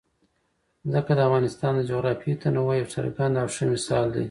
ځمکه د افغانستان د جغرافیوي تنوع یو څرګند او ښه مثال دی.